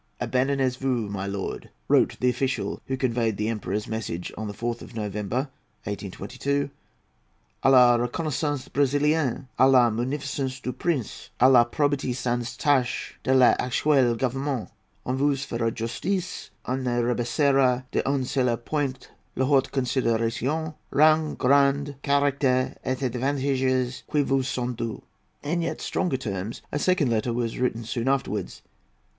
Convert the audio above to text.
"Abandonnez vous, milord," wrote the official who conveyed the Emperor's message, on the 4th of November, 1822, "à la reconnaisance Brésilienne, à la munificence du Prince, à la probité sans tache de l'actuel Gouvernement; on vous fera justice; on ne rabaissera d'un seul point la haute considération, rang, grade, caractère, et avantages qui vous sont dûs." In yet stronger terms a second letter was written soon afterwards.